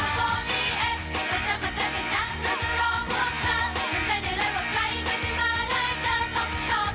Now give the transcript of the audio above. รักไม่รักเธอรักมีรักต้องรอ็กดูอีกสักนิด